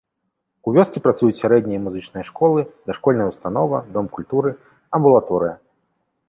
У вёсцы працуюць сярэдняя і музычная школы, дашкольная ўстанова, дом культуры, амбулаторыя.